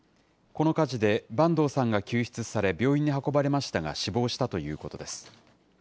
この火事で、坂東さんが救出され、病院に運ばれましたが、死亡したということです。